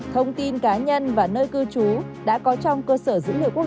thông tin cá nhân và nơi cư trú đã có trong cơ sở dữ liệu quốc gia về dân cư rồi